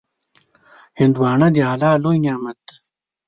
هندوانه د الله لوی نعمت دی.